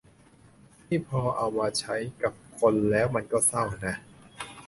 นี่พอเอามาใช้กับคนแล้วมันก็เศร้านะ